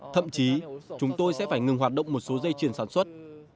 thậm chí chúng tôi sẽ phải ngừng hoạt động một số dây chuyển sản xuất